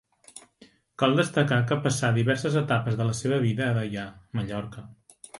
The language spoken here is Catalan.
Cal destacar que passà diverses etapes de la seva vida a Deià, Mallorca.